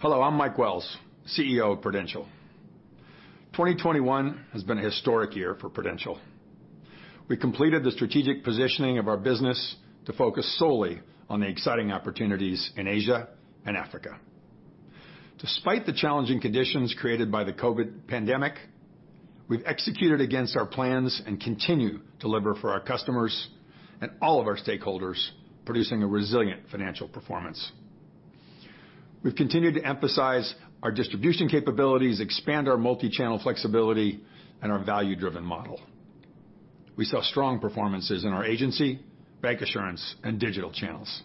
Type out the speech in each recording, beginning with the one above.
Hello, I'm Mike Wells, CEO of Prudential. 2021 has been a historic year for Prudential. We completed the strategic positioning of our business to focus solely on the exciting opportunities in Asia and Africa. Despite the challenging conditions created by the COVID pandemic, we've executed against our plans and continue to deliver for our customers and all of our stakeholders, producing a resilient financial performance. We've continued to emphasize our distribution capabilities, expand our multi-channel flexibility, and our value-driven model. We saw strong performances in our agency, bancassurance, and digital channels.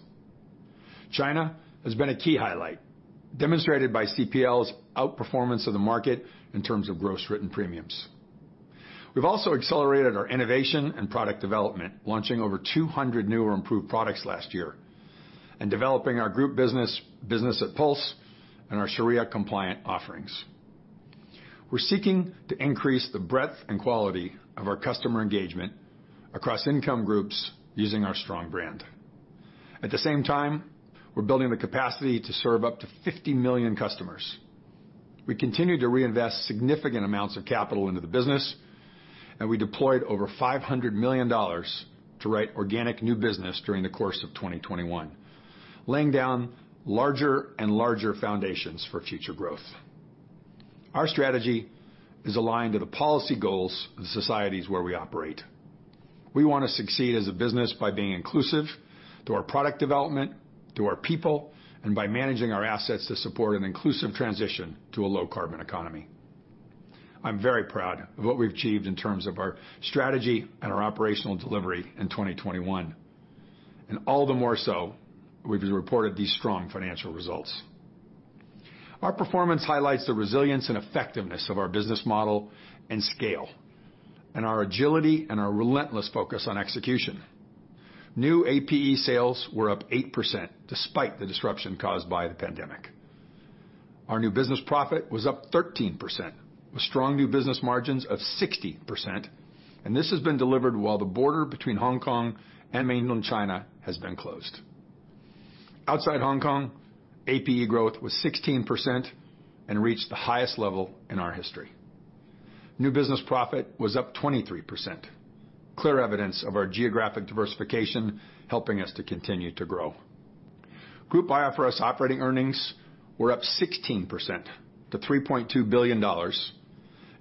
China has been a key highlight, demonstrated by CPL's outperformance of the market in terms of gross written premiums. We've also accelerated our innovation and product development, launching over 200 new or improved products last year and developing our group business at Pulse and our Shariah-compliant offerings. We're seeking to increase the breadth and quality of our customer engagement across income groups using our strong brand. At the same time, we're building the capacity to serve up to 50 million customers. We continue to reinvest significant amounts of capital into the business, and we deployed over $500 million to write organic new business during the course of 2021, laying down larger and larger foundations for future growth. Our strategy is aligned to the policy goals of the societies where we operate. We wanna succeed as a business by being inclusive through our product development, through our people, and by managing our assets to support an inclusive transition to a low carbon economy. I'm very proud of what we've achieved in terms of our strategy and our operational delivery in 2021, and all the more so we've reported these strong financial results. Our performance highlights the resilience and effectiveness of our business model and scale, and our agility and our relentless focus on execution. New APE sales were up 8% despite the disruption caused by the pandemic. Our new business profit was up 13%, with strong new business margins of 60%, and this has been delivered while the border between Hong Kong and mainland China has been closed. Outside Hong Kong, APE growth was 16% and reached the highest level in our history. New business profit was up 23%, clear evidence of our geographic diversification helping us to continue to grow. Group IFRS operating earnings were up 16% to $3.2 billion,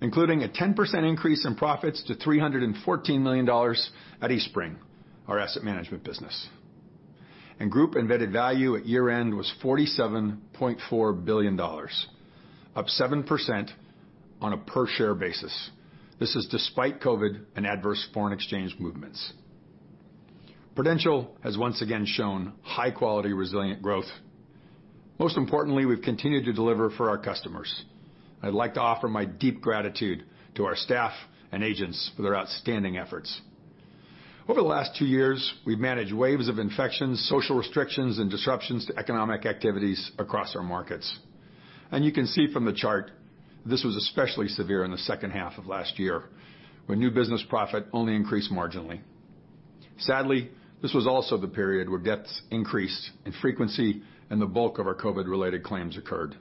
including a 10% increase in profits to $314 million at Eastspring, our asset management business. Group embedded value at year-end was $47.4 billion, up 7% on a per share basis. This is despite COVID and adverse foreign exchange movements. Prudential has once again shown high-quality, resilient growth. Most importantly, we've continued to deliver for our customers. I'd like to offer my deep gratitude to our staff and agents for their outstanding efforts. Over the last two years, we've managed waves of infections, social restrictions and disruptions to economic activities across our markets. You can see from the chart, this was especially severe in the second half of last year, when new business profit only increased marginally. Sadly, this was also the period where deaths increased in frequency and the bulk of our COVID-related claims occurred.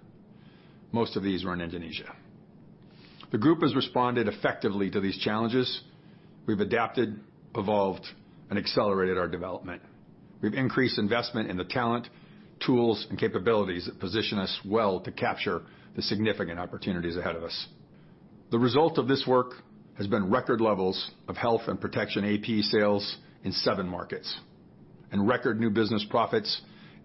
Most of these were in Indonesia. The group has responded effectively to these challenges. We've adapted, evolved, and accelerated our development. We've increased investment in the talent, tools, and capabilities that position us well to capture the significant opportunities ahead of us. The result of this work has been record levels of health and protection APE sales in seven markets and record new business profits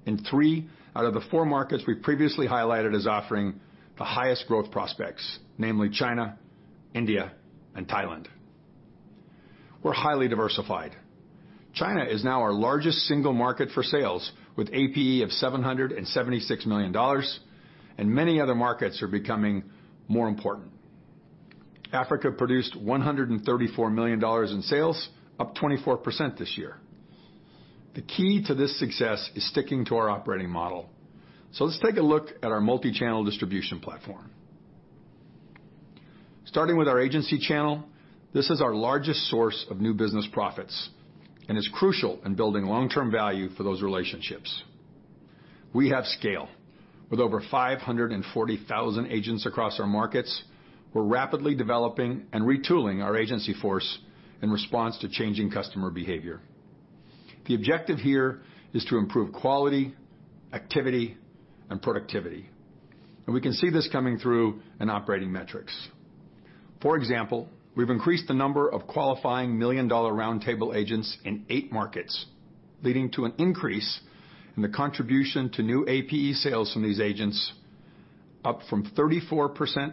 in three out of the four markets we previously highlighted as offering the highest growth prospects, namely China, India, and Thailand. We're highly diversified. China is now our largest single market for sales, with APE of $776 million, and many other markets are becoming more important. Africa produced $134 million in sales, up 24% this year. The key to this success is sticking to our operating model. Let's take a look at our multi-channel distribution platform. Starting with our agency channel, this is our largest source of new business profits and is crucial in building long-term value for those relationships. We have scale. With over 540,000 agents across our markets, we're rapidly developing and retooling our agency force in response to changing customer behavior. The objective here is to improve quality, activity, and productivity, and we can see this coming through in operating metrics. For example, we've increased the number of qualifying Million Dollar Round Table agents in eight markets, leading to an increase in the contribution to new APE sales from these agents up from 34%-40%.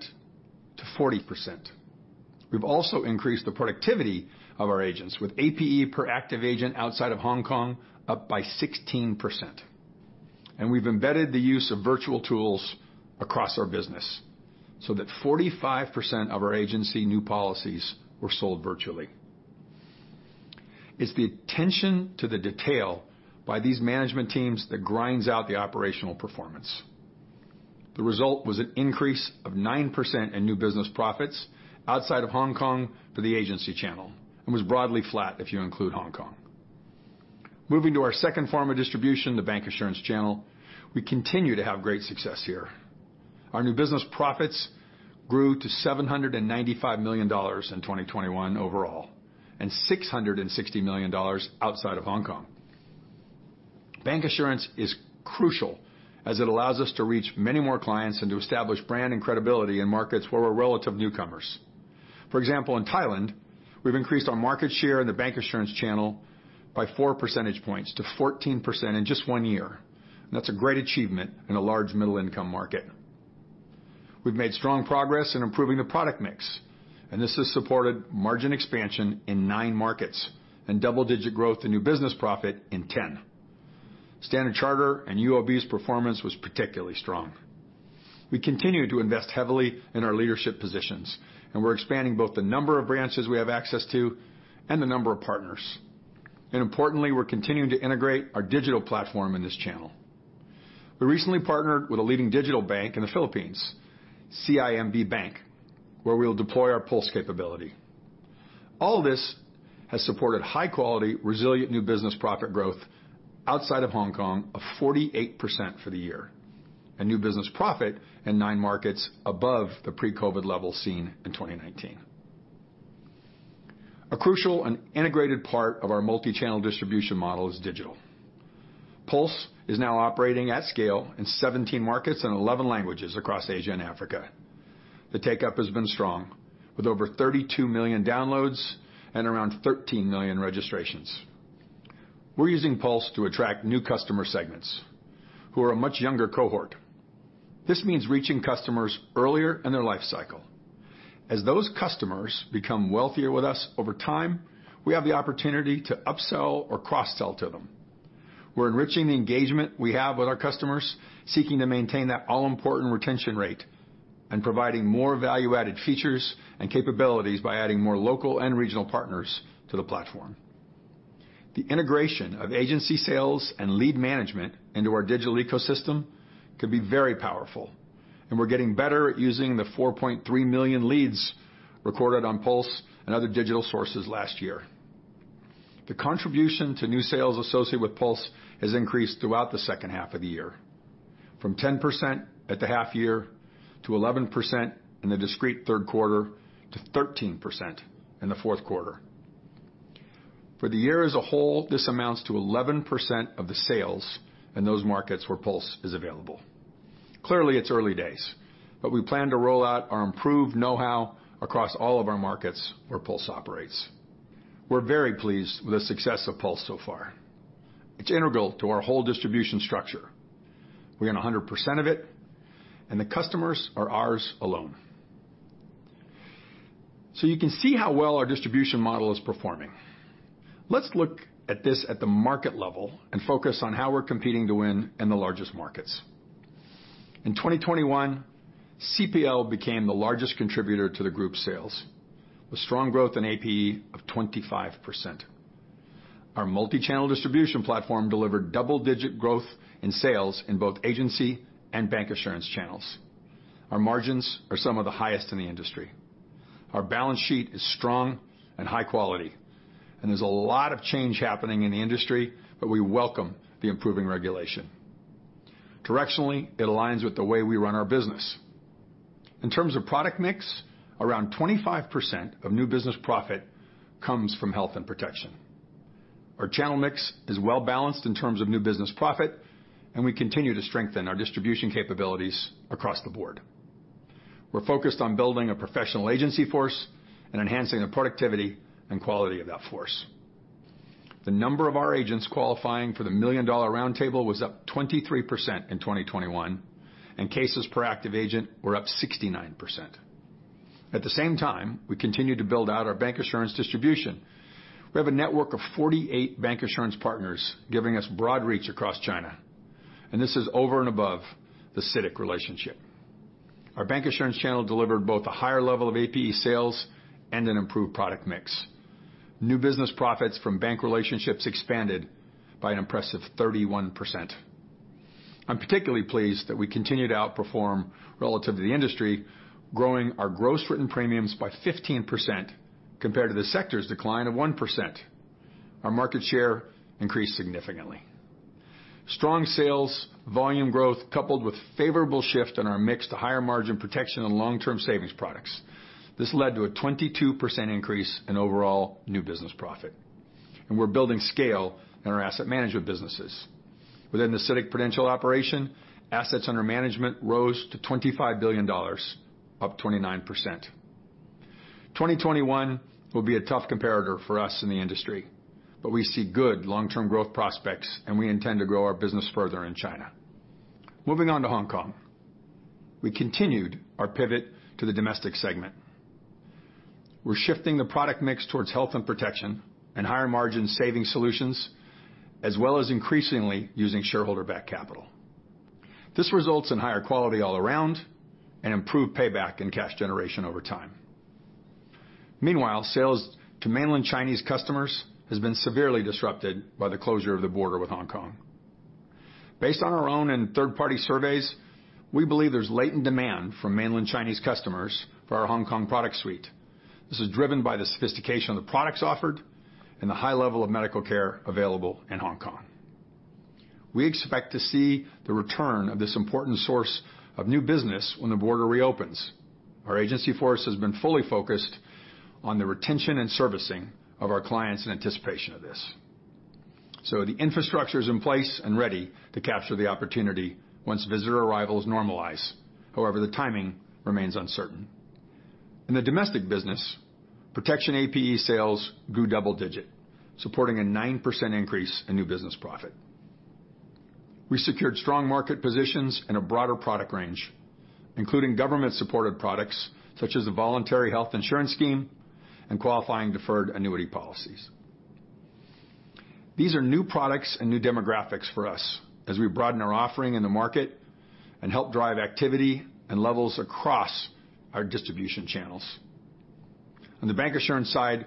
We've also increased the productivity of our agents with APE per active agent outside of Hong Kong up by 16%. We've embedded the use of virtual tools across our business so that 45% of our agency new policies were sold virtually. It's the attention to the detail by these management teams that grinds out the operational performance. The result was an increase of 9% in new business profits outside of Hong Kong for the agency channel, and was broadly flat if you include Hong Kong. Moving to our second form of distribution, the bancassurance channel, we continue to have great success here. Our new business profits grew to $795 million in 2021 overall, and $660 million outside of Hong Kong. Bancassurance is crucial as it allows us to reach many more clients and to establish brand and credibility in markets where we're relative newcomers. For example, in Thailand, we've increased our market share in the bank insurance channel by 4 percentage points to 14% in just 1 year. That's a great achievement in a large middle-income market. We've made strong progress in improving the product mix, and this has supported margin expansion in nine markets and double-digit growth in new business profit in 10. Standard Chartered and UOB's performance was particularly strong. We continue to invest heavily in our leadership positions, and we're expanding both the number of branches we have access to and the number of partners. Importantly, we're continuing to integrate our digital platform in this channel. We recently partnered with a leading digital bank in the Philippines, CIMB Bank, where we'll deploy our Pulse capability. All of this has supported high-quality, resilient new business profit growth outside of Hong Kong of 48% for the year, a new business profit in nine markets above the pre-COVID level seen in 2019. A crucial and integrated part of our multi-channel distribution model is digital. Pulse is now operating at scale in 17 markets and 11 languages across Asia and Africa. The uptake has been strong, with over 32 million downloads and around 13 million registrations. We're using Pulse to attract new customer segments who are a much younger cohort. This means reaching customers earlier in their life cycle. As those customers become wealthier with us over time, we have the opportunity to upsell or cross-sell to them. We're enriching the engagement we have with our customers, seeking to maintain that all-important retention rate and providing more value-added features and capabilities by adding more local and regional partners to the platform. The integration of agency sales and lead management into our digital ecosystem could be very powerful, and we're getting better at using the 4.3 million leads recorded on Pulse and other digital sources last year. The contribution to new sales associated with Pulse has increased throughout the second half of the year, from 10% at the half year to 11% in the discrete third quarter to 13% in the fourth quarter. For the year as a whole, this amounts to 11% of the sales in those markets where Pulse is available. Clearly, it's early days, but we plan to roll out our improved know-how across all of our markets where Pulse operates. We're very pleased with the success of Pulse so far. It's integral to our whole distribution structure. We own 100% of it, and the customers are ours alone. You can see how well our distribution model is performing. Let's look at this at the market level and focus on how we're competing to win in the largest markets. In 2021, CPL became the largest contributor to the group sales, with strong growth in APE of 25%. Our multi-channel distribution platform delivered double-digit growth in sales in both agency and bancassurance channels. Our margins are some of the highest in the industry. Our balance sheet is strong and high quality, and there's a lot of change happening in the industry, but we welcome the improving regulation. Directionally, it aligns with the way we run our business. In terms of product mix, around 25% of new business profit comes from health and protection. Our channel mix is well-balanced in terms of new business profit, and we continue to strengthen our distribution capabilities across the board. We're focused on building a professional agency force and enhancing the productivity and quality of that force. The number of our agents qualifying for the Million Dollar Round Table was up 23% in 2021, and cases per active agent were up 69%. At the same time, we continue to build out our bancassurance distribution. We have a network of 48 bancassurance partners giving us broad reach across China, and this is over and above the CITIC relationship. Our bancassurance channel delivered both a higher level of APE sales and an improved product mix. New business profits from bank relationships expanded by an impressive 31%. I'm particularly pleased that we continue to outperform relative to the industry, growing our gross written premiums by 15% compared to the sector's decline of 1%. Our market share increased significantly, strong sales volume growth coupled with favorable shift in our mix to higher margin protection and long-term savings products. This led to a 22% increase in overall new business profit. We're building scale in our asset management businesses. Within the CITIC-Prudential operation, assets under management rose to $25 billion, up 29%. 2021 will be a tough comparator for us in the industry, but we see good long-term growth prospects, and we intend to grow our business further in China. Moving on to Hong Kong. We continued our pivot to the domestic segment. We're shifting the product mix towards health and protection and higher margin saving solutions, as well as increasingly using shareholder-backed capital. This results in higher quality all around and improved payback and cash generation over time. Meanwhile, sales to mainland Chinese customers has been severely disrupted by the closure of the border with Hong Kong. Based on our own and third-party surveys, we believe there's latent demand from mainland Chinese customers for our Hong Kong product suite. This is driven by the sophistication of the products offered and the high level of medical care available in Hong Kong. We expect to see the return of this important source of new business when the border reopens. Our agency force has been fully focused on the retention and servicing of our clients in anticipation of this. The infrastructure is in place and ready to capture the opportunity once visitor arrivals normalize. However, the timing remains uncertain. In the domestic business, protection APE sales grew double-digit, supporting a 9% increase in new business profit. We secured strong market positions and a broader product range, including government-supported products, such as the Voluntary Health Insurance Scheme and Qualifying Deferred Annuity Policies. These are new products and new demographics for us as we broaden our offering in the market and help drive activity and levels across our distribution channels. On the bancassurance side,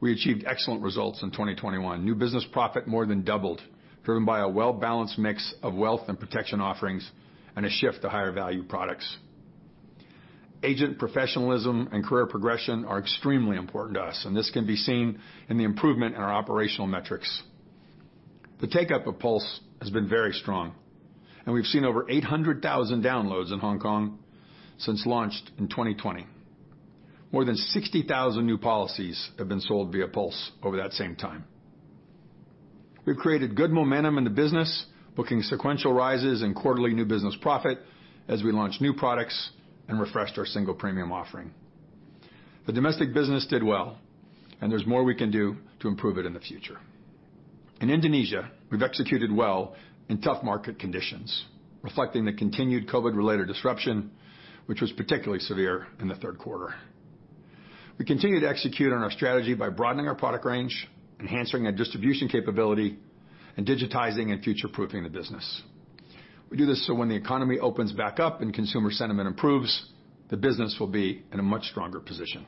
we achieved excellent results in 2021. New business profit more than doubled, driven by a well-balanced mix of wealth and protection offerings and a shift to higher value products. Agent professionalism and career progression are extremely important to us, and this can be seen in the improvement in our operational metrics. The take-up of Pulse has been very strong, and we've seen over 800,000 downloads in Hong Kong since launched in 2020. More than 60,000 new policies have been sold via Pulse over that same time. We've created good momentum in the business, booking sequential rises and quarterly new business profit as we launch new products and refreshed our single premium offering. The domestic business did well, and there's more we can do to improve it in the future. In Indonesia, we've executed well in tough market conditions, reflecting the continued COVID-related disruption, which was particularly severe in the third quarter. We continue to execute on our strategy by broadening our product range, enhancing our distribution capability, and digitizing and future-proofing the business. We do this so when the economy opens back up and consumer sentiment improves, the business will be in a much stronger position.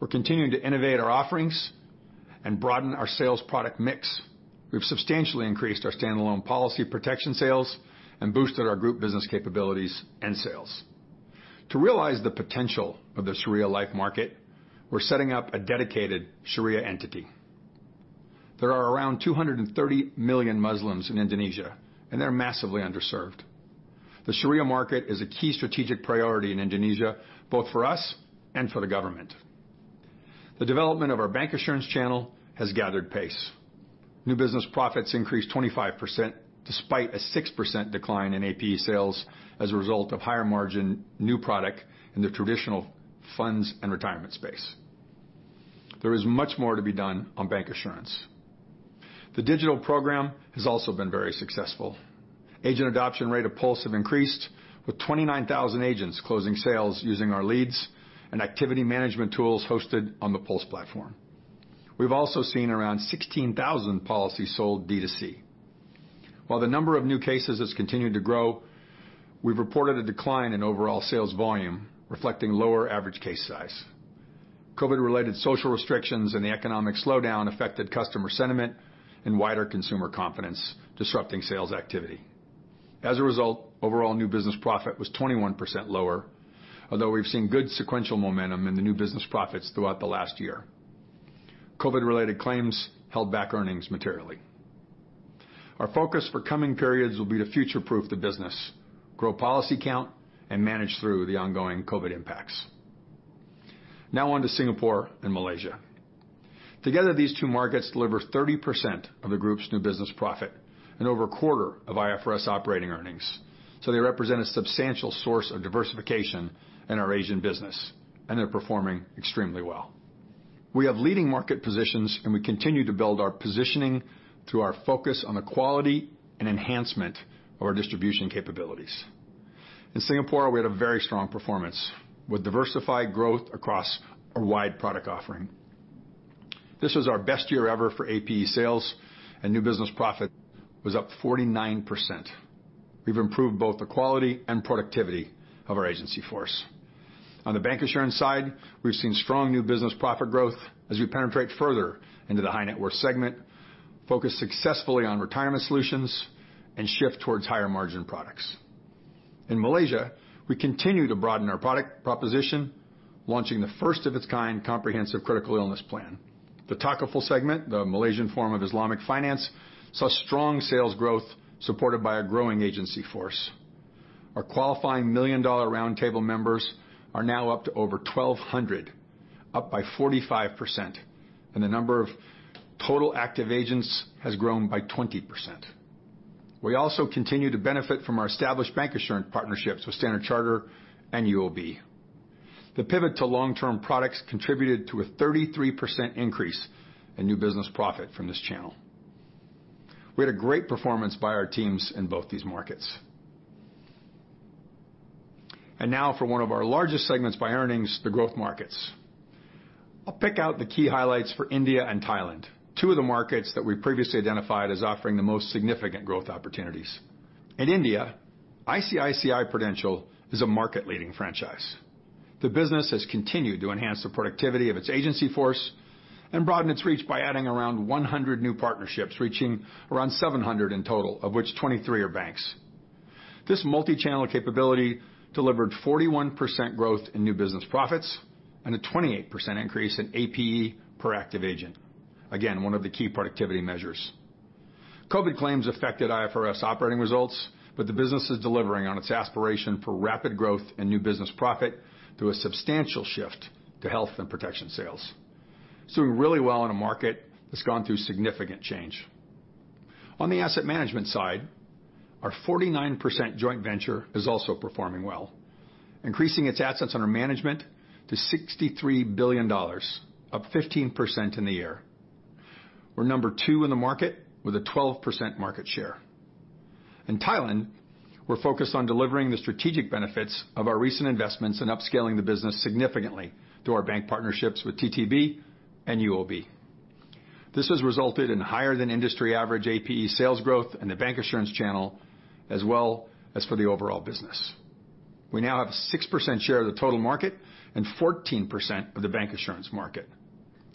We're continuing to innovate our offerings and broaden our sales product mix. We've substantially increased our standalone policy protection sales and boosted our group business capabilities and sales. To realize the potential of the Shariah life market, we're setting up a dedicated Shariah entity. There are around 230 million Muslims in Indonesia, and they're massively underserved. The Shariah market is a key strategic priority in Indonesia, both for us and for the government. The development of our bancassurance channel has gathered pace. New business profits increased 25% despite a 6% decline in APE sales as a result of higher margin new product in the traditional funds and retirement space. There is much more to be done on bancassurance. The digital program has also been very successful. Agent adoption rate of Pulse have increased, with 29,000 agents closing sales using our leads and activity management tools hosted on the Pulse platform. We've also seen around 16,000 policies sold D2C. While the number of new cases has continued to grow, we've reported a decline in overall sales volume, reflecting lower average case size. COVID-related social restrictions and the economic slowdown affected customer sentiment and wider consumer confidence, disrupting sales activity. As a result, overall new business profit was 21% lower, although we've seen good sequential momentum in the new business profits throughout the last year. COVID-related claims held back earnings materially. Our focus for coming periods will be to future-proof the business, grow policy count, and manage through the ongoing COVID impacts. Now on to Singapore and Malaysia. Together, these two markets deliver 30% of the group's new business profit and over a quarter of IFRS operating earnings, so they represent a substantial source of diversification in our Asian business, and they're performing extremely well. We have leading market positions, and we continue to build our positioning through our focus on the quality and enhancement of our distribution capabilities. In Singapore, we had a very strong performance with diversified growth across our wide product offering. This was our best year ever for APE sales, and new business profit was up 49%. We've improved both the quality and productivity of our agency force. On the bancassurance side, we've seen strong new business profit growth as we penetrate further into the high net worth segment, focus successfully on retirement solutions, and shift towards higher margin products. In Malaysia, we continue to broaden our product proposition, launching the first of its kind comprehensive critical illness plan. The Takaful segment, the Malaysian form of Islamic finance, saw strong sales growth supported by a growing agency force. Our qualifying Million Dollar Round Table members are now up to over 1,200, up by 45%, and the number of total active agents has grown by 20%. We also continue to benefit from our established bancassurance partnerships with Standard Chartered and UOB. The pivot to long-term products contributed to a 33% increase in new business profit from this channel. We had a great performance by our teams in both these markets. Now for one of our largest segments by earnings, the growth markets. I'll pick out the key highlights for India and Thailand, two of the markets that we previously identified as offering the most significant growth opportunities. In India, ICICI Prudential is a market-leading franchise. The business has continued to enhance the productivity of its agency force and broaden its reach by adding around 100 new partnerships, reaching around 700 in total, of which 23 are banks. This multi-channel capability delivered 41% growth in new business profits and a 28% increase in APE per active agent. Again, one of the key productivity measures. COVID claims affected IFRS operating results, but the business is delivering on its aspiration for rapid growth and new business profit through a substantial shift to health and protection sales. It's doing really well in a market that's gone through significant change. On the asset management side, our 49% joint venture is also performing well, increasing its assets under management to $63 billion, up 15% in the year. We're number two in the market with a 12% market share. In Thailand, we're focused on delivering the strategic benefits of our recent investments and upscaling the business significantly through our bank partnerships with ttb and UOB. This has resulted in higher than industry average APE sales growth in the bank insurance channel, as well as for the overall business. We now have 6% share of the total market and 14% of the bank insurance market.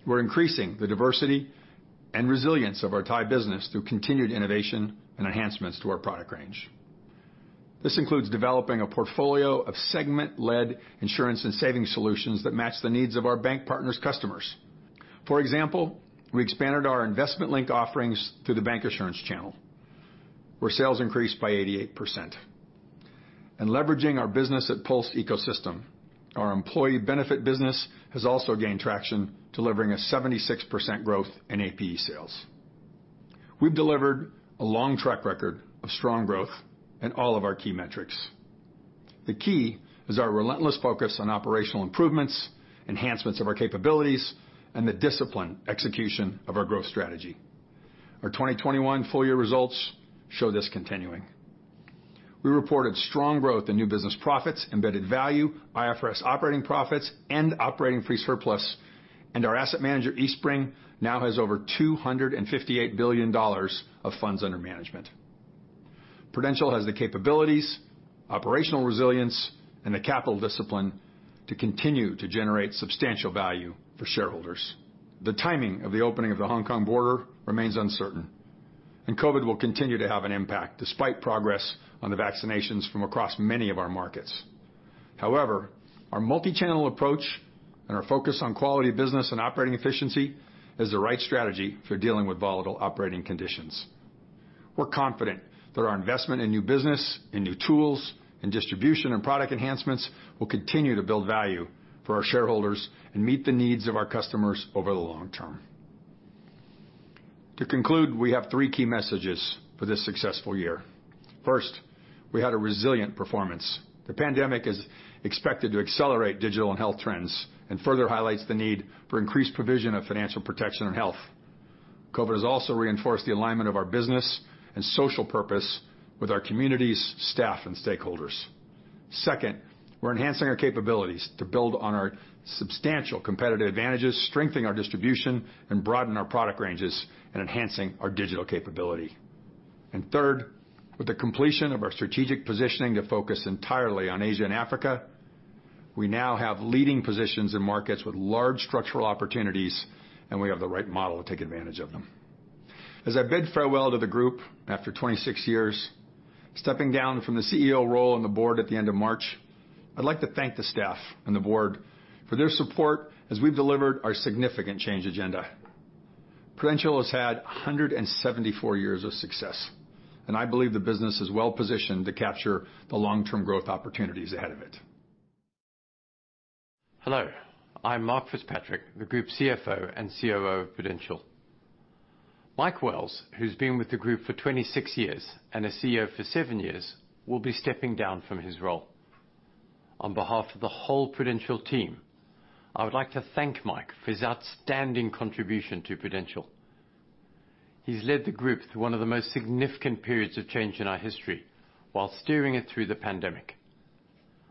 We're increasing the diversity and resilience of our Thai business through continued innovation and enhancements to our product range. This includes developing a portfolio of segment-led insurance and saving solutions that match the needs of our bank partners' customers. For example, we expanded our investment link offerings through the bancassurance channel, where sales increased by 88%. In leveraging our business at Pulse Ecosystem, our employee benefit business has also gained traction, delivering a 76% growth in APE sales. We've delivered a long track record of strong growth in all of our key metrics. The key is our relentless focus on operational improvements, enhancements of our capabilities, and the disciplined execution of our growth strategy. Our 2021 full year results show this continuing. We reported strong growth in new business profits, embedded value, IFRS operating profits, and operating free surplus, and our asset manager, Eastspring, now has over $258 billion of funds under management. Prudential has the capabilities, operational resilience, and the capital discipline to continue to generate substantial value for shareholders. The timing of the opening of the Hong Kong border remains uncertain, and COVID will continue to have an impact despite progress on the vaccinations from across many of our markets. However, our multi-channel approach and our focus on quality of business and operating efficiency is the right strategy for dealing with volatile operating conditions. We're confident that our investment in new business, in new tools, in distribution and product enhancements will continue to build value for our shareholders and meet the needs of our customers over the long term. To conclude, we have three key messages for this successful year. First, we had a resilient performance. The pandemic is expected to accelerate digital and health trends and further highlights the need for increased provision of financial protection and health. COVID has also reinforced the alignment of our business and social purpose with our communities, staff, and stakeholders. Second, we're enhancing our capabilities to build on our substantial competitive advantages, strengthening our distribution, and broaden our product ranges, and enhancing our digital capability. Third, with the completion of our strategic positioning to focus entirely on Asia and Africa, we now have leading positions in markets with large structural opportunities, and we have the right model to take advantage of them. As I bid farewell to the group after 26 years, stepping down from the CEO role on the Board at the end of March, I'd like to thank the staff and the Board for their support as we've delivered our significant change agenda. Prudential has had 174 years of success, and I believe the business is well-positioned to capture the long-term growth opportunities ahead of it. Hello, I'm Mark FitzPatrick, the Group CFO and COO of Prudential. Mike Wells, who's been with the group for 26 years and a CEO for seven years, will be stepping down from his role. On behalf of the whole Prudential team, I would like to thank Mike for his outstanding contribution to Prudential. He's led the group through one of the most significant periods of change in our history, while steering it through the pandemic.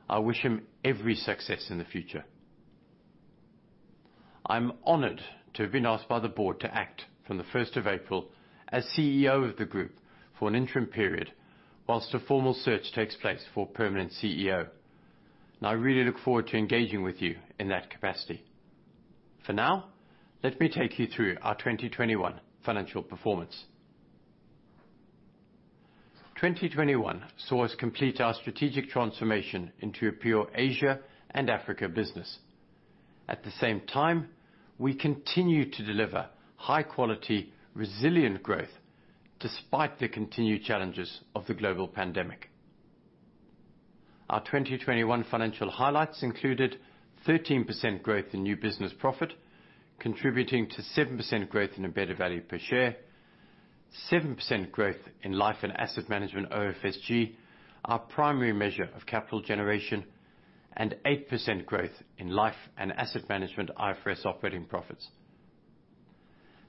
I wish him every success in the future. I'm honored to have been asked by the Board to act from the first of April as CEO of the group for an interim period while a formal search takes place for a permanent CEO, and I really look forward to engaging with you in that capacity. For now, let me take you through our 2021 financial performance. 2021 saw us complete our strategic transformation into a pure Asia and Africa business. At the same time, we continued to deliver high quality, resilient growth despite the continued challenges of the global pandemic. Our 2021 financial highlights included 13% growth in new business profit, contributing to 7% growth in embedded value per share, 7% growth in life and asset management OFSG, our primary measure of capital generation, and 8% growth in life and asset management IFRS operating profits.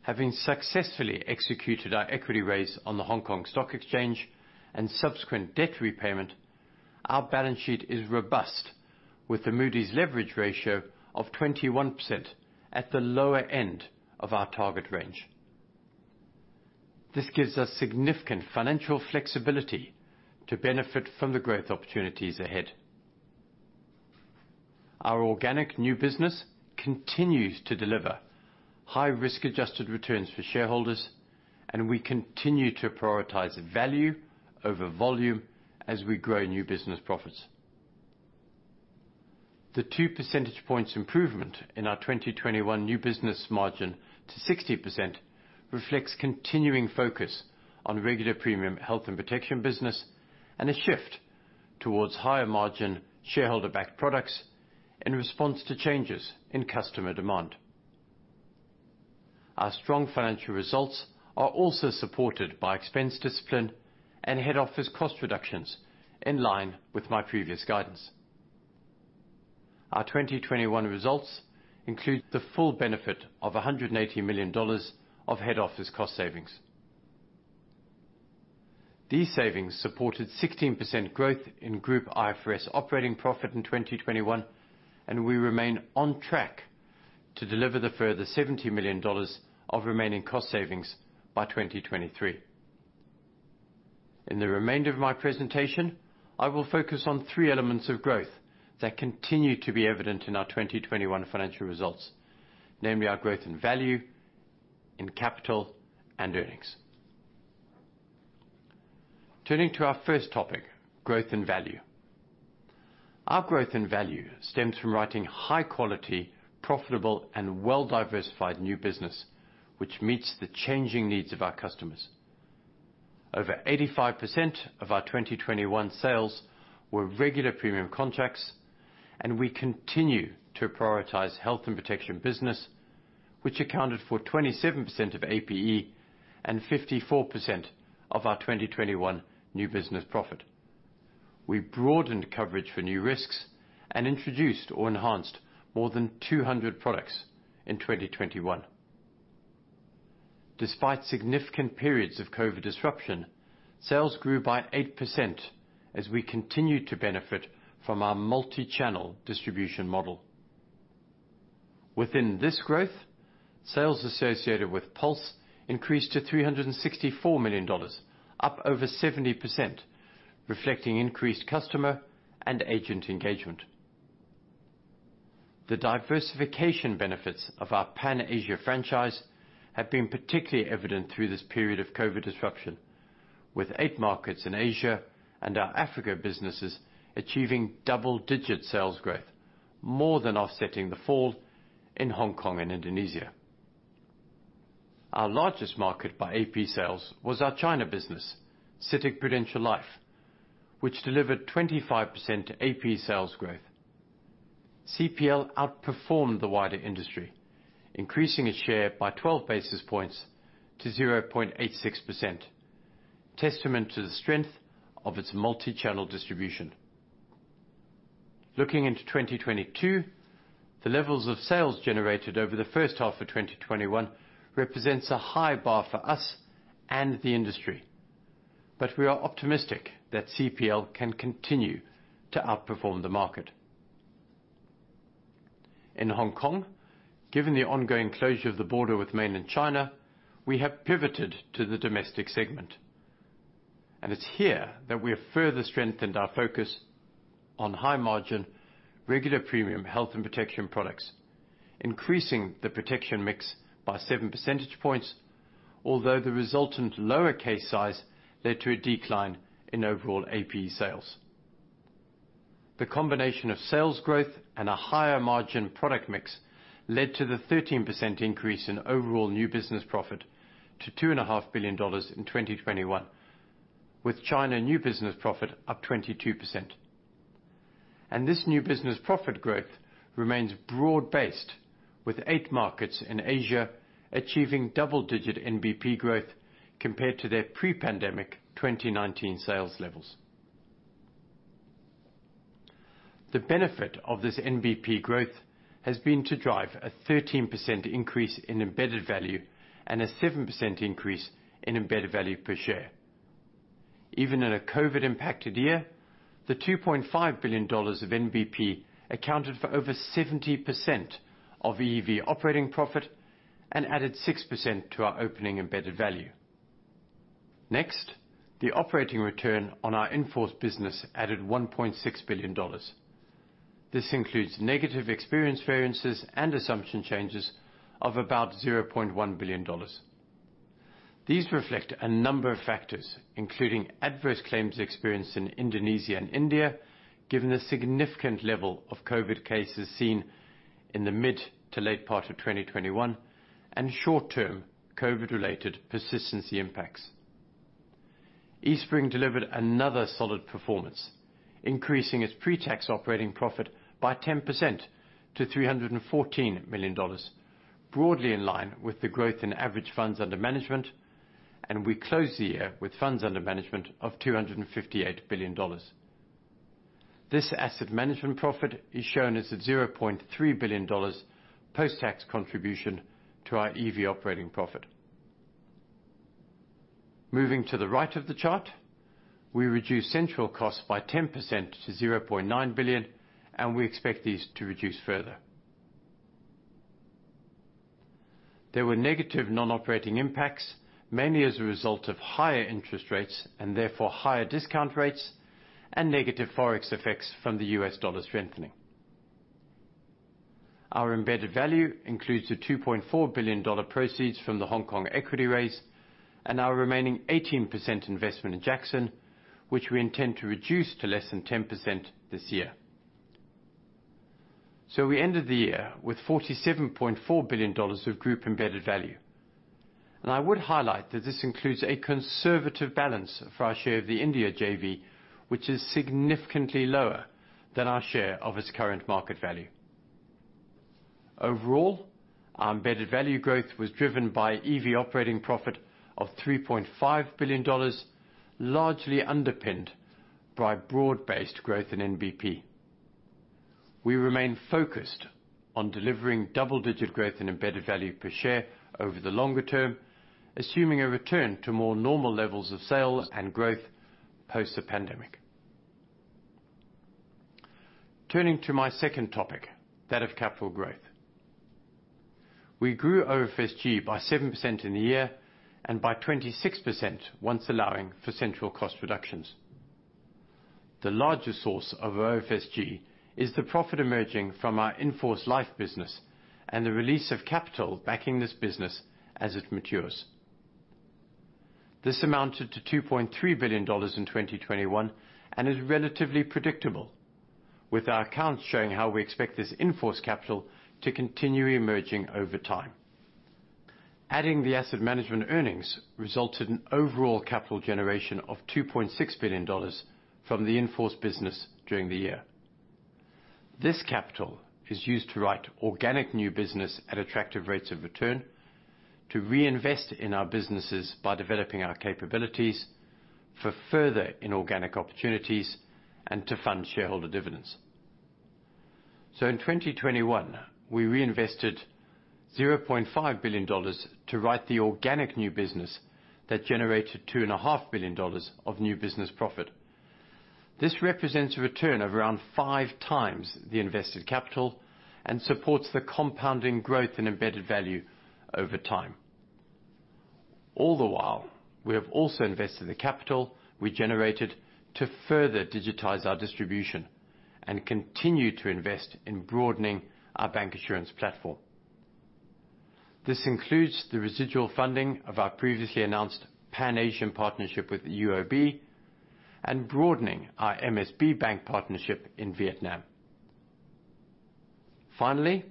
Having successfully executed our equity raise on the Hong Kong Stock Exchange and subsequent debt repayment, our balance sheet is robust with the Moody's leverage ratio of 21% at the lower end of our target range. This gives us significant financial flexibility to benefit from the growth opportunities ahead. Our organic new business continues to deliver high risk adjusted returns for shareholders, and we continue to prioritize value over volume as we grow new business profits. The 2 percentage points improvement in our 2021 new business margin to 60% reflects continuing focus on regular premium health and protection business, and a shift towards higher margin shareholder-backed products in response to changes in customer demand. Our strong financial results are also supported by expense discipline and head office cost reductions in line with my previous guidance. Our 2021 results include the full benefit of $180 million of head office cost savings. These savings supported 16% growth in group IFRS operating profit in 2021, and we remain on track to deliver the further $70 million of remaining cost savings by 2023. In the remainder of my presentation, I will focus on three elements of growth that continue to be evident in our 2021 financial results, namely our growth in value, in capital and earnings. Turning to our first topic, growth in value. Our growth in value stems from writing high quality, profitable, and well diversified new business, which meets the changing needs of our customers. Over 85% of our 2021 sales were regular premium contracts, and we continue to prioritize health and protection business, which accounted for 27% of APE and 54% of our 2021 new business profit. We broadened coverage for new risks and introduced or enhanced more than 200 products in 2021. Despite significant periods of COVID disruption, sales grew by 8% as we continued to benefit from our multi-channel distribution model. Within this growth, sales associated with Pulse increased to $364 million, up over 70%, reflecting increased customer and agent engagement. The diversification benefits of our Pan Asia franchise have been particularly evident through this period of COVID disruption, with eight markets in Asia and our Africa businesses achieving double-digit sales growth, more than offsetting the fall in Hong Kong and Indonesia. Our largest market by APE sales was our China business, CITIC-Prudential Life, which delivered 25% APE sales growth. CPL outperformed the wider industry, increasing its share by 12 basis points to 0.86%, testament to the strength of its multi-channel distribution. Looking into 2022, the levels of sales generated over the first half of 2021 represents a high bar for us and the industry. We are optimistic that CPL can continue to outperform the market. In Hong Kong, given the ongoing closure of the border with mainland China, we have pivoted to the domestic segment. It's here that we have further strengthened our focus on high margin, regular premium health and protection products, increasing the protection mix by seven percentage points. Although the resultant lower case size led to a decline in overall AP sales. The combination of sales growth and a higher margin product mix led to the 13% increase in overall new business profit to $2.5 billion in 2021, with China new business profit up 22%. This new business profit growth remains broad-based, with eight markets in Asia achieving double-digit NBP growth compared to their pre-pandemic 2019 sales levels. The benefit of this NBP growth has been to drive a 13% increase in embedded value and a 7% increase in embedded value per share. Even in a COVID impacted year, the $2.5 billion of NBP accounted for over 70% of EV operating profit and added 6% to our opening embedded value. Next, the operating return on our in-force business added $1.6 billion. This includes negative experience variances and assumption changes of about $0.1 billion. These reflect a number of factors, including adverse claims experience in Indonesia and India, given the significant level of COVID cases seen in the mid-to-late part of 2021, and short-term COVID related persistency impacts. Eastspring delivered another solid performance, increasing its pre-tax operating profit by 10% to $314 million, broadly in line with the growth in average funds under management, and we closed the year with funds under management of $258 billion. This asset management profit is shown as a $0.3 billion post-tax contribution to our EV operating profit. Moving to the right of the chart, we reduced central costs by 10% to $0.9 billion, and we expect these to reduce further. There were negative non-operating impacts, mainly as a result of higher interest rates, and therefore higher discount rates and negative Forex effects from the U.S. dollar strengthening. Our embedded value includes the $2.4 billion proceeds from the Hong Kong equity raise and our remaining 18% investment in Jackson, which we intend to reduce to less than 10% this year. We ended the year with $47.4 billion of group embedded value. I would highlight that this includes a conservative balance for our share of the India JV, which is significantly lower than our share of its current market value. Overall, our embedded value growth was driven by EV operating profit of $3.5 billion, largely underpinned by broad-based growth in NBP. We remain focused on delivering double-digit growth in embedded value per share over the longer term, assuming a return to more normal levels of sales and growth post the pandemic. Turning to my second topic, that of capital growth. We grew OFSG by 7% in a year and by 26% once allowing for central cost reductions. The largest source of OFSG is the profit emerging from our in-force life business and the release of capital backing this business as it matures. This amounted to $2.3 billion in 2021 and is relatively predictable, with our accounts showing how we expect this in-force capital to continue emerging over time. Adding the asset management earnings resulted in overall capital generation of $2.6 billion from the in-force business during the year. This capital is used to write organic new business at attractive rates of return, to reinvest in our businesses by developing our capabilities for further inorganic opportunities and to fund shareholder dividends. In 2021, we reinvested $0.5 billion to write the organic new business that generated $2.5 billion of new business profit. This represents a return of around 5x the invested capital and supports the compounding growth in embedded value over time. All the while, we have also invested the capital we generated to further digitize our distribution and continue to invest in broadening our bancassurance platform. This includes the residual funding of our previously announced Pan-Asian partnership with the UOB and broadening our MSB bank partnership in Vietnam. Finally,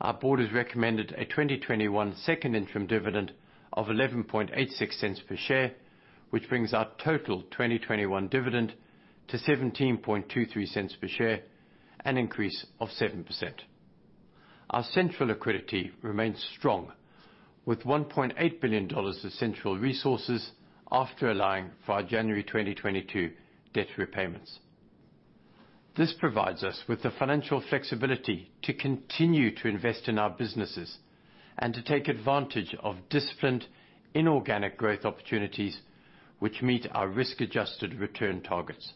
our Board has recommended a 2021 second interim dividend of $0.1186 per share, which brings our total 2021 dividend to $0.1723 per share, a 7% increase. Our central liquidity remains strong with $1.8 billion of central resources after allowing for our January 2022 debt repayments. This provides us with the financial flexibility to continue to invest in our businesses and to take advantage of disciplined inorganic growth opportunities which meet our risk-adjusted return targets.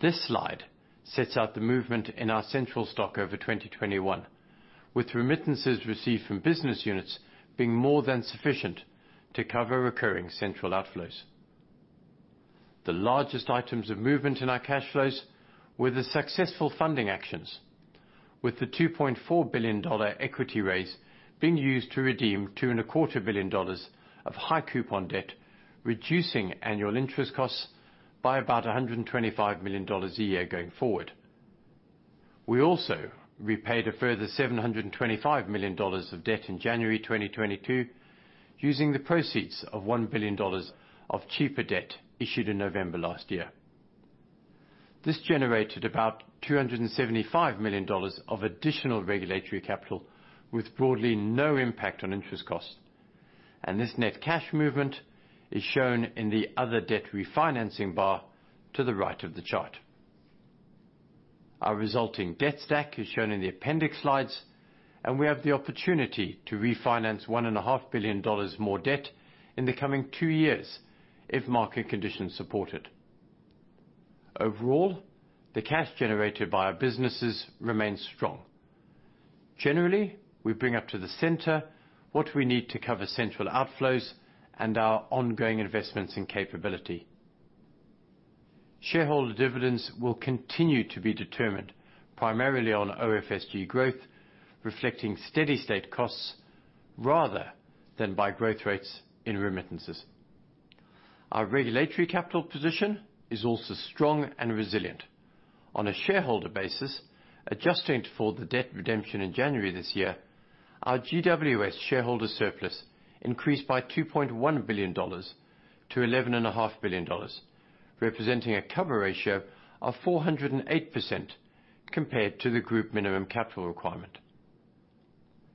This slide sets out the movement in our central stock over 2021, with remittances received from business units being more than sufficient to cover recurring central outflows. The largest items of movement in our cash flows were the successful funding actions, with the $2.4 billion equity raise being used to redeem $2.25 billion of high-coupon debt, reducing annual interest costs by about $125 million a year going forward. We also repaid a further $725 million of debt in January 2022, using the proceeds of $1 billion of cheaper debt issued in November last year. This generated about $275 million of additional regulatory capital with broadly no impact on interest costs. This net cash movement is shown in the other debt refinancing bar to the right of the chart. Our resulting debt stack is shown in the appendix slides, and we have the opportunity to refinance $1.5 billion more debt in the coming two years if market conditions support it. Overall, the cash generated by our businesses remains strong. Generally, we bring up to the center what we need to cover central outflows and our ongoing investments in capability. Shareholder dividends will continue to be determined primarily on OFSG growth, reflecting steady-state costs rather than by growth rates in remittances. Our regulatory capital position is also strong and resilient. On a shareholder basis, adjusting for the debt redemption in January this year, our GWS shareholder surplus increased by $2.1 billion to $11.5 billion, representing a cover ratio of 408% compared to the group minimum capital requirement.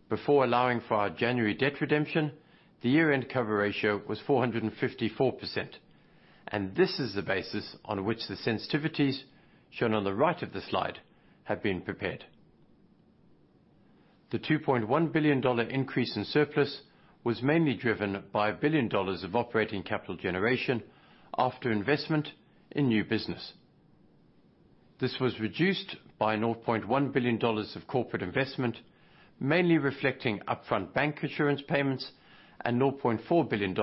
Before allowing for our January debt redemption, the year-end cover ratio was 454%, and this is the basis on which the sensitivities shown on the right of the slide have been prepared. The $2.1 billion increase in surplus was mainly driven by $1 billion of operating capital generation after investment in new business. This was reduced by $0.1 billion of corporate investment, mainly reflecting upfront bancassurance payments and $0.4 billion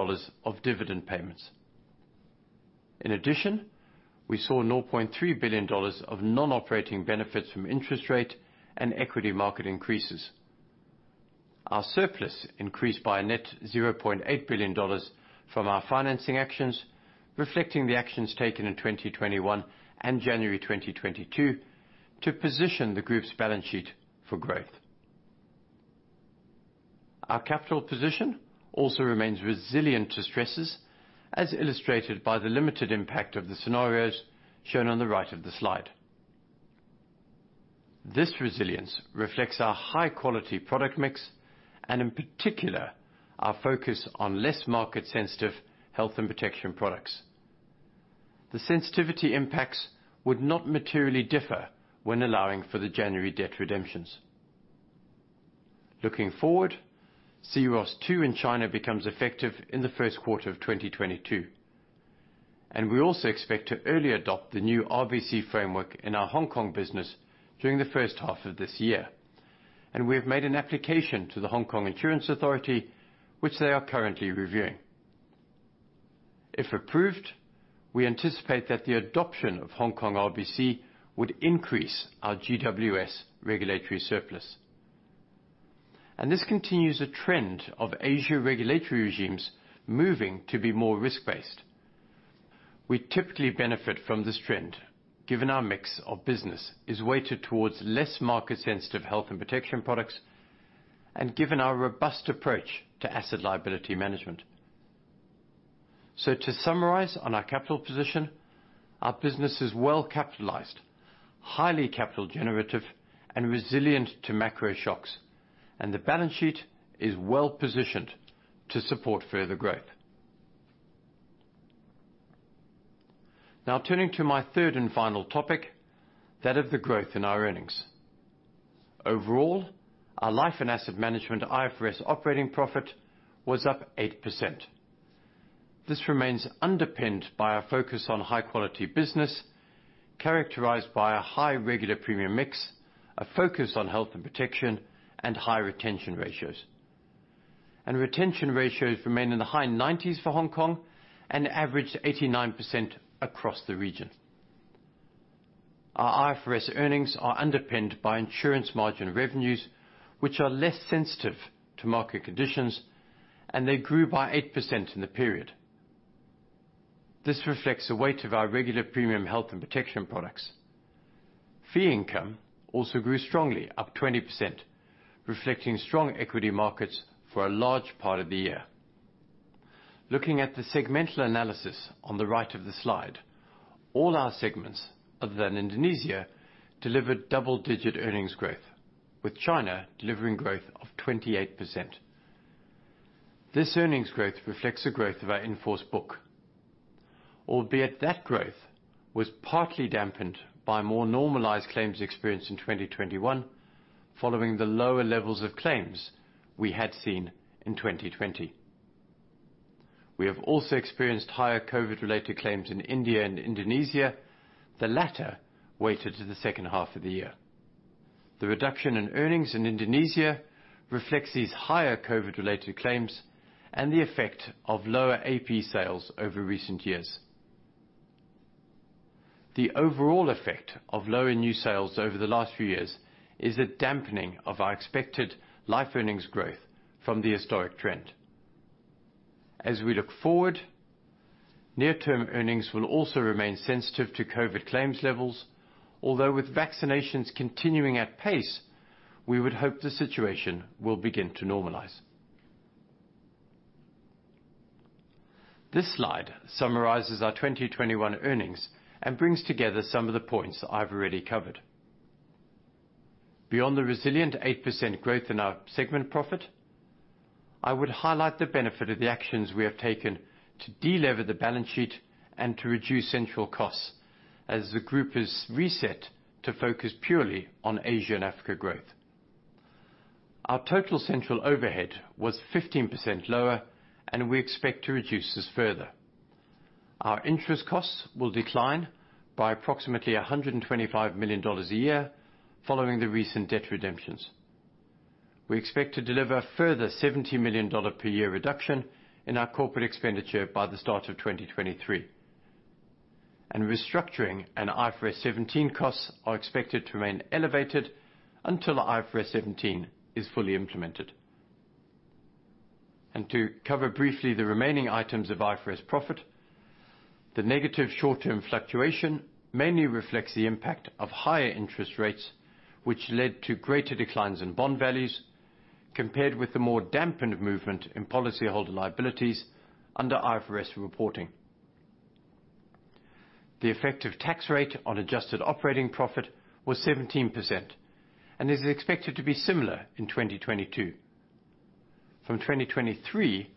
of dividend payments. In addition, we saw $0.3 billion of non-operating benefits from interest rate and equity market increases. Our surplus increased by a net $0.8 billion from our financing actions, reflecting the actions taken in 2021 and January 2022 to position the group's balance sheet for growth. Our capital position also remains resilient to stresses, as illustrated by the limited impact of the scenarios shown on the right of the slide. This resilience reflects our high quality product mix and, in particular, our focus on less market sensitive health and protection products. The sensitivity impacts would not materially differ when allowing for the January debt redemptions. Looking forward, C-ROSS II in China becomes effective in the first quarter of 2022, and we also expect to early adopt the new RBC framework in our Hong Kong business during the first half of this year. We have made an application to the Hong Kong Insurance Authority, which they are currently reviewing. If approved, we anticipate that the adoption of Hong Kong RBC would increase our GWS regulatory surplus. This continues a trend of Asian regulatory regimes moving to be more risk-based. We typically benefit from this trend, given our mix of business is weighted towards less market-sensitive health and protection products, and given our robust approach to asset-liability management. To summarize on our capital position, our business is well capitalized, highly capital generative, and resilient to macro shocks, and the balance sheet is well positioned to support further growth. Now turning to my third and final topic, that of the growth in our earnings. Overall, our life and asset management IFRS operating profit was up 8%. This remains underpinned by our focus on high quality business, characterized by a high regular premium mix, a focus on health and protection, and high retention ratios. Retention ratios remain in the high 90s for Hong Kong and average 89% across the region. Our IFRS earnings are underpinned by insurance margin revenues, which are less sensitive to market conditions, and they grew by 8% in the period. This reflects the weight of our regular premium health and protection products. Fee income also grew strongly, up 20%, reflecting strong equity markets for a large part of the year. Looking at the segmental analysis on the right of the slide, all our segments, other than Indonesia, delivered double-digit earnings growth, with China delivering growth of 28%. This earnings growth reflects the growth of our in-force book. Albeit that growth was partly dampened by more normalized claims experience in 2021 following the lower levels of claims we had seen in 2020. We have also experienced higher COVID related claims in India and Indonesia, the latter weighted to the second half of the year. The reduction in earnings in Indonesia reflects these higher COVID related claims and the effect of lower APE sales over recent years. The overall effect of lower new sales over the last few years is a dampening of our expected life earnings growth from the historic trend. As we look forward, near term earnings will also remain sensitive to COVID claims levels, although with vaccinations continuing at pace, we would hope the situation will begin to normalize. This slide summarizes our 2021 earnings and brings together some of the points I've already covered. Beyond the resilient 8% growth in our segment profit, I would highlight the benefit of the actions we have taken to de-lever the balance sheet and to reduce central costs as the group is reset to focus purely on Asia and Africa growth. Our total central overhead was 15% lower, and we expect to reduce this further. Our interest costs will decline by approximately $125 million a year following the recent debt redemptions. We expect to deliver a further $70 million dollar per year reduction in our corporate expenditure by the start of 2023. Restructuring and IFRS 17 costs are expected to remain elevated until IFRS 17 is fully implemented. To cover briefly the remaining items of IFRS profit, the negative short-term fluctuation mainly reflects the impact of higher interest rates, which led to greater declines in bond values compared with the more dampened movement in policyholder liabilities under IFRS reporting. The effective tax rate on adjusted operating profit was 17% and is expected to be similar in 2022. From 2023,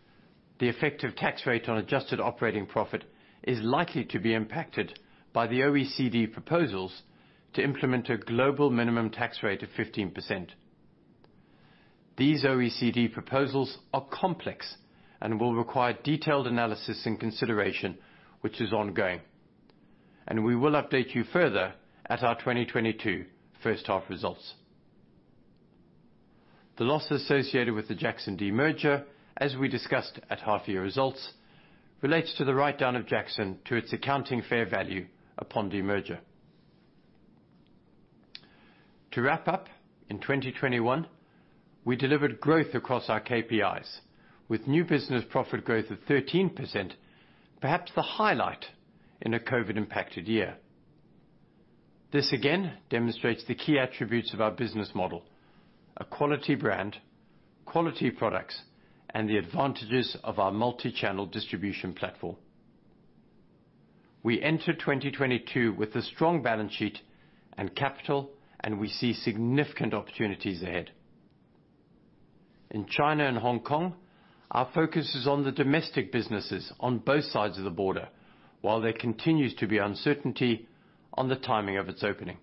the effective tax rate on adjusted operating profit is likely to be impacted by the OECD proposals to implement a global minimum tax rate of 15%. These OECD proposals are complex and will require detailed analysis and consideration, which is ongoing, and we will update you further at our 2022 first half results. The loss associated with the Jackson demerger, as we discussed at half year results, relates to the write-down of Jackson to its accounting fair value upon demerger. To wrap up, in 2021, we delivered growth across our KPIs, with new business profit growth of 13%, perhaps the highlight in a COVID-impacted year. This again demonstrates the key attributes of our business model, a quality brand, quality products, and the advantages of our multi-channel distribution platform. We enter 2022 with a strong balance sheet and capital, and we see significant opportunities ahead. In China and Hong Kong, our focus is on the domestic businesses on both sides of the border, while there continues to be uncertainty on the timing of its opening.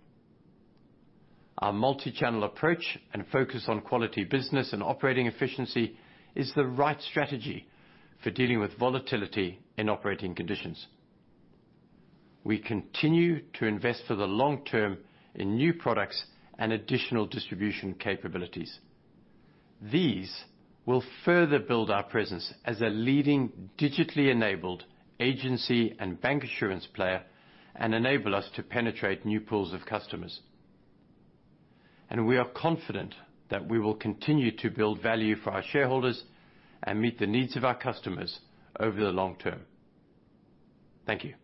Our multi-channel approach and focus on quality business and operating efficiency is the right strategy for dealing with volatility in operating conditions. We continue to invest for the long term in new products and additional distribution capabilities. These will further build our presence as a leading digitally enabled agency and bancassurance player and enable us to penetrate new pools of customers. We are confident that we will continue to build value for our shareholders and meet the needs of our customers over the long term. Thank you.